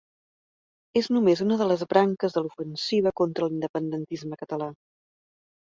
És només una de les branques de l'ofensiva contra l'independentisme català.